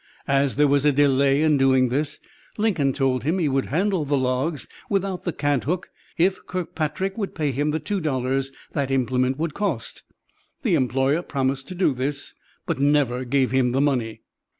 As there was a delay in doing this, Lincoln told him he would handle the logs without the cant hook if Kirkpatrick would pay him the two dollars that implement would cost. The employer promised to do this, but never gave him the money.